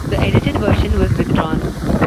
The edited version was withdrawn.